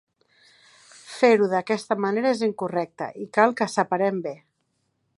Fer-ho d'aquesta manera és incorrecte i cal que "separem bé".